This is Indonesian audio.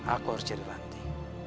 aku harus jadi ranti